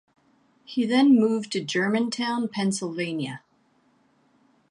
He then moved to Germantown, Pennsylvania.